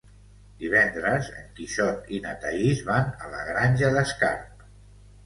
Divendres en Quixot i na Thaís van a la Granja d'Escarp.